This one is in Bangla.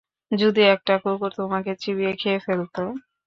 যদি একটা কুকুর তোমাকে চিবিয়ে খেয়ে ফেলতো?